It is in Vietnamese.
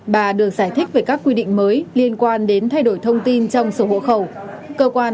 bà được giải thích về các quy định mới liên quan đến thay đổi thông tin trong sổ hộ khẩu